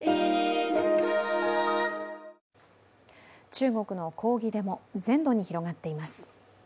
中国の抗議デモ、全土に広がっています。